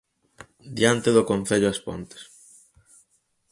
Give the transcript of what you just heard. Diante do Concello As Pontes.